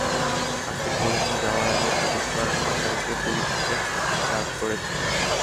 তাঁকে ধরে নিয়ে যাওয়ার আগে একাধিকবার আমার বাড়িতে পুলিশ এসে সার্চ করেছে।